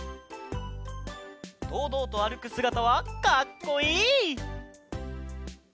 どうどうとあるくすがたはかっこいい！